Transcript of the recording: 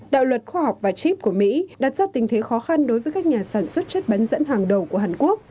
đạo luật khoa học và chip của mỹ đặt ra tình thế khó khăn đối với các nhà sản xuất chất bán dẫn hàng đầu của hàn quốc